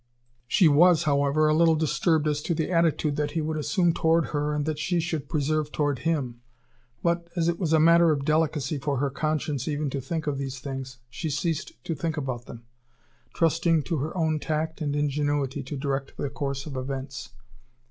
She was, however, a little disturbed as to the attitude that he would assume toward her and that she should preserve toward him. But, as it was a matter of delicacy for her conscience even to think of these things, she ceased to think about them, trusting to her own tact and ingenuity to direct the course of events.